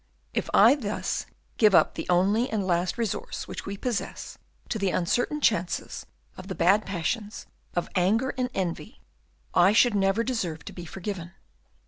If I thus give up the only and last resource which we possess to the uncertain chances of the bad passions of anger and envy, I should never deserve to be forgiven.